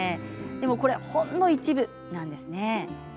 これ、ほんの一部なんですね。